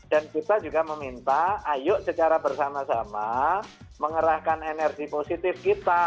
dan kita juga meminta ayo secara bersama sama mengerahkan energi positif kita